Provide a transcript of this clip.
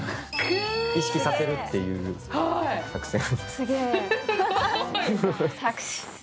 意識させるっていう作戦。